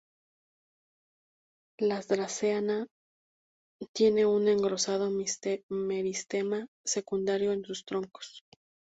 Las "Dracaena" tienen un engrosado meristema secundario en sus troncos.